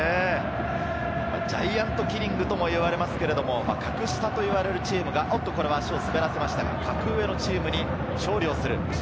ジャイアントキリングともいわれますが、格下といわれるチームが格上のチームに勝利する。